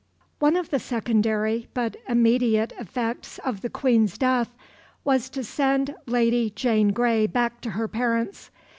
One of the secondary but immediate effects of the Queen's death was to send Lady Jane Grey back to her parents.